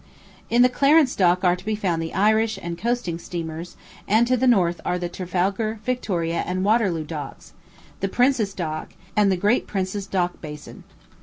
In the Clarence dock are to be found the Irish and coasting steamers, and to the north are the Trafalgar, Victoria, and Waterloo docks; the Prince's dock, and the Great Prince's dock basin.